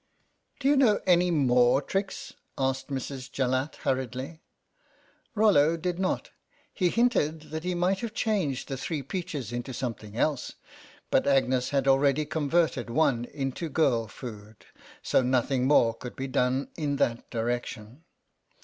" Do you know any more tricks ?" asked Mrs. Jallatt hurriedly. Rollo did not. He hinted that he might have changed the three peaches into some thing else, but Agnes had already converted one into girl food, so nothing more could be done in that direction.